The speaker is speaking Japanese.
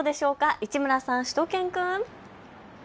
市村さん、しゅと犬くん。